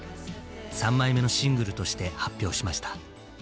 ３枚目のシングルとして発表しました。